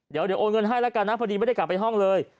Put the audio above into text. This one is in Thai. เดี๋ยวโอนเงินให้แล้วกันนะพอดีไม่ได้กลับไปห้องเลย